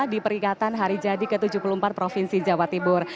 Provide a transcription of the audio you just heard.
di peringatan hari jadi ke tujuh puluh empat provinsi jawa timur